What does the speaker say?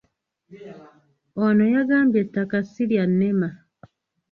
Ono yagambye ettaka ssi lya NEMA.